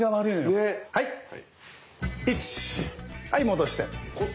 はい戻して。